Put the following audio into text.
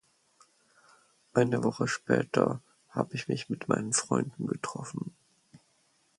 Eine Woche später habe ich mich mit meinen Freunden getroffen.